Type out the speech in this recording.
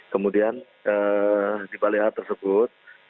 kemudian di balai hal tersebut